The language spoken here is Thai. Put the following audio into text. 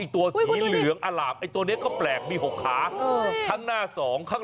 แต่มีถึง๘ขา